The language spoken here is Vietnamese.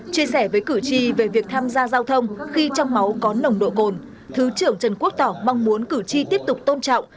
chia sẻ với cử tri về việc tham gia giao thông khi trong máu có nồng độ cồn thứ trưởng trần quốc tỏ mong muốn cử tri tiếp tục tôn trọng